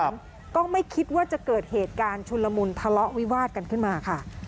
ก็ไม่คิดว่าจะเกิดเหตุการณ์ชุนละมุนทะเลาะวิวาดกันขึ้นมาค่ะ